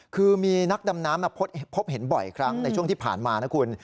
คือมีนักดำน้ำพบเห็นบ่อยครั้งในช่วงที่ผ่านมานะคุณ